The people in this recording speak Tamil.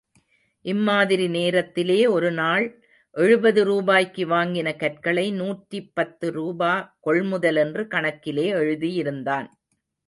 இம்மாதிரி நேரத்திலே, ஒருநாள் எழுபது ரூபாய்க்கு வாங்கின கற்களை நூற்றி பத்து ரூபா கொள்முதல் என்று கணக்கிலே எழுதியிருந்தான்.